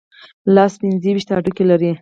لاس پنځه ویشت هډوکي لري.